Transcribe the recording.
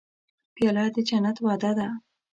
پیاله د جنت وعده ده.